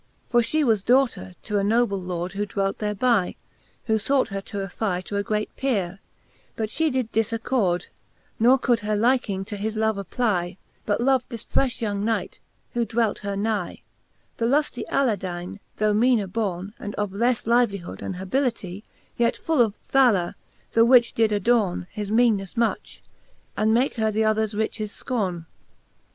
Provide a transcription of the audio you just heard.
VII. For flie was daughter to a noble Lord, Which dwelt thereby, who fought her to afFy To a great pere; but {he did difaccord, Ne could her liking to his love apply, But lov'd thisfrefh young knight, who dwelt her ny, The lufVy Ala dine ^ though meaner borne, And of lefle livelood and hability, Yet full of valour, the which did adorne His meanelle much, 6c make her th'others riches fcotne.